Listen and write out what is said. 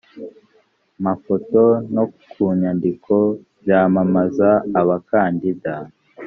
mafoto no ku nyandiko byamamaza abakandida